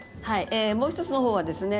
もう１つのほうはですね